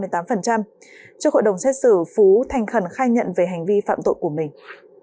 trước hội đồng xét xử phú thành khẩn khai nhận về hành vi phạm tội của mình